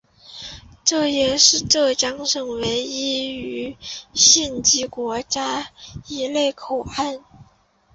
这也是浙江省唯一位于县级的国家一类口岸。